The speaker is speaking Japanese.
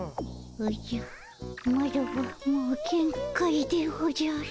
おじゃマロはもうげん界でおじゃる。